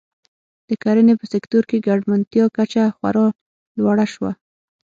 د کرنې په سکتور کې ګټمنتیا کچه خورا لوړه شوه.